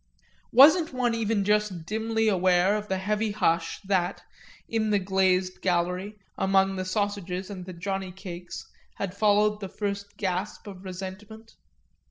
Wasn't one even just dimly aware of the heavy hush that, in the glazed gallery, among the sausages and the johnny cakes, had followed the first gasp of resentment?